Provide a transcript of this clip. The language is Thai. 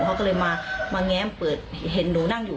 เขาก็เลยมาแง้มเปิดเห็นหนูนั่งอยู่